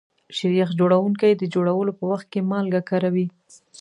شیریخ جوړونکي د جوړولو په وخت کې مالګه کاروي.